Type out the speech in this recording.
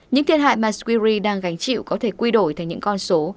những thiệt hại mà swiss re đang gánh chịu có thể quy đổi thành những con số